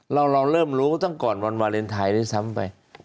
เราเริ่มรู้ตั้งก่อนวันวาเลนไทยด้วยซ้ำไป